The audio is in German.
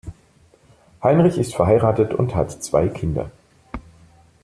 Heinrich ist verheiratet und hat zwei Kinder.